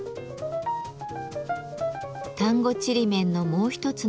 丹後ちりめんのもう一つの特徴